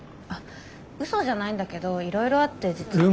あっ嘘じゃないんだけどいろいろあって実は。